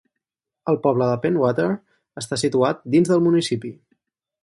El poble de Pentwater està situat dins del municipi.